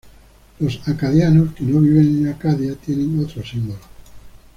Los acadianos que no viven en Acadia tienen otros símbolos.